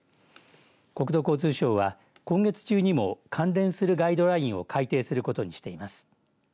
国土交通省は、今月中にも関連するガイドラインを改定することにしています。